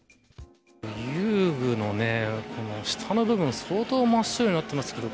遊具の下の部分、相当真っ白になってますけど。